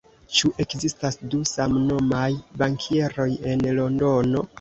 Ĉu ekzistas du samnomaj bankieroj en Londono?